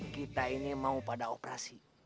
kita ini mau pada operasi